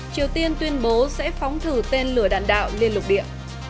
triều tiên tuyên bố sẽ phóng thử tên lửa đạn đạo liên lục địa